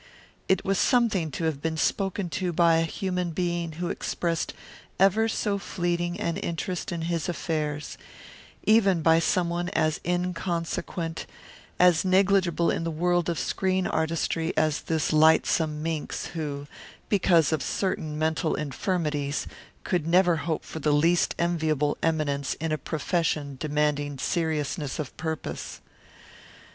It was something to have been spoken to by a human being who expressed ever so fleeting an interest in his affairs, even by someone as inconsequent, as negligible in the world of screen artistry as this lightsome minx who, because of certain mental infirmities, could never hope for the least enviable eminence in a profession demanding seriousness of purpose.